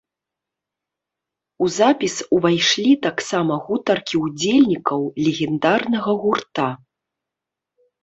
У запіс увайшлі таксама гутаркі ўдзельнікаў легендарнага гурта.